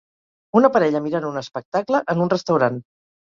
Una parella mirant un espectacle en un restaurant.